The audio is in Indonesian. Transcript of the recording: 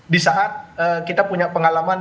di saat kita punya pengalaman